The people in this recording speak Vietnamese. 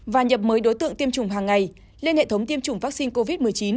và nhập mới đối tượng tiêm chủng hàng ngày lên hệ thống tiêm chủng vaccine covid một mươi chín